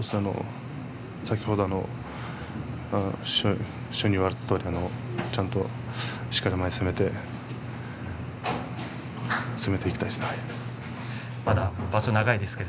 先ほど師匠に言われたとおり、ちゃんとしっかり前に攻めて攻めていきたいですね。